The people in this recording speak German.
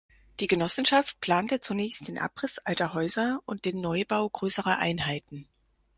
Die Genossenschaft plante zunächst den Abriss alter Häuser und den Neubau größerer Einheiten.